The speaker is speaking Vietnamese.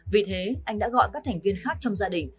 vì thế anh đã gọi các thành viên khác trong gia đình